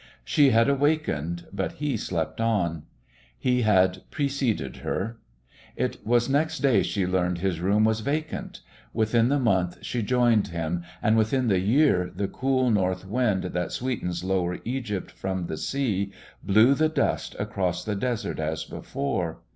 She had awakened, but he slept on. He had preceded her. It was next day she learned his room was vacant.... Within the month she joined him, and within the year the cool north wind that sweetens Lower Egypt from the sea blew the dust across the desert as before.